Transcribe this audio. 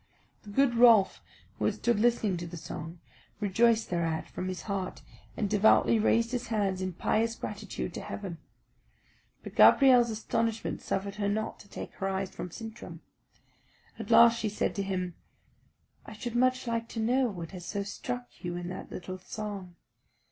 The good Rolf, who had stood listening to the song, rejoiced thereat from his heart, and devoutly raised his hands in pious gratitude to heaven. But Gabrielle's astonishment suffered her not to take her eyes from Sintram. At last she said to him, "I should much like to know what has so struck you in that little song.